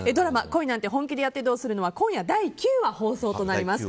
「恋なんて、本気でやってどうするの？」は今夜第９話放送となります。